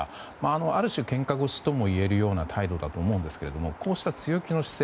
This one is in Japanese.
ある種、けんか腰ともいえるような態度だと思いますがこうした強気な姿勢